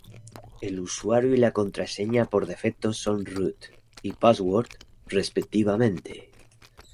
El usuario y la contraseña por defectos son "root" y "password" respectivamente.